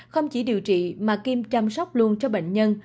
không chỉ điều trị mà kim chăm sóc luôn cho bệnh nhân